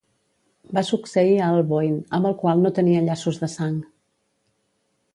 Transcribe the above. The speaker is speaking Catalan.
Va succeir a Alboin, amb el qual no tenia llaços de sang.